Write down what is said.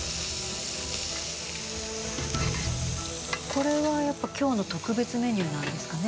これはやっぱ今日の特別メニューなんですかね？